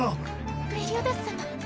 メリオダス様。